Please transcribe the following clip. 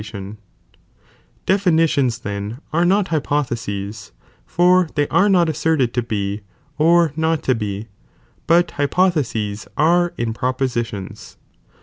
That Hcflnf Definitions then are not hypotheses, (for they «™ 1" no' ty are not asserted to be or not to be,) but hypothe ^'"■ sea are in propositions.